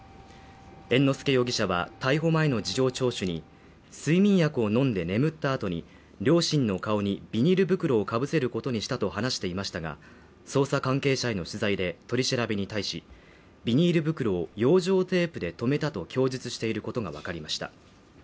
猿之助容疑者は逮捕前の事情聴取に睡眠薬を飲んで眠った後に、両親の顔にビニール袋をかぶせることにしたと話していましたが、捜査関係者への取材で、取り調べに対し、ビニール袋を養生テープでとめたと供述していることがわかりました。